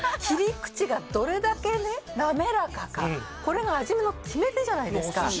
切り口がどれだけね滑らかかこれが味の決め手じゃないですか」